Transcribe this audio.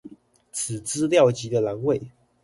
此資料集的欄位